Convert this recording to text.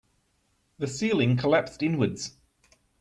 The ceiling collapsed inwards.